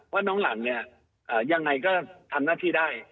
ว่าน้องหลังอย่างไรก็ทำหน้าที่ได้